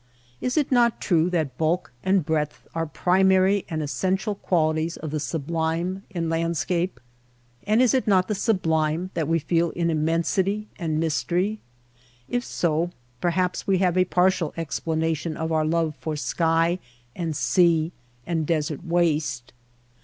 Is it not true that bulk and breadth are primary and essen tial qualities of the sublime in landscape ? And is it not the sublime that we feel in immensity and mystery ? If so, perhaps we have a partial explanation of our love for sky and sea and desert waste.